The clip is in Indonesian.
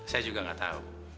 saya juga gak tahu